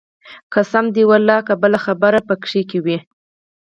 قسم دى ولله که بله خبره پکښې کښې وي.